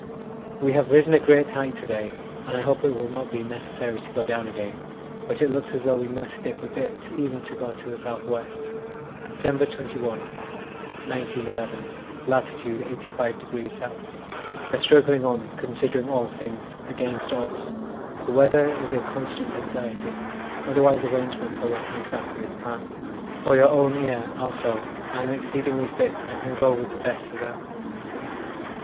We have risen a great height to day and I hope it will not be necessary to go down again, but it looks as though we must dip a bit even to go to the south west. 'December 21, 1911. Lat. 85° S. We are struggling on, considering all things, against odds. The weather is a constant anxiety, otherwise arrangements are working exactly as planned. 'For your own ear also, I am exceedingly fit and can go with the best of them.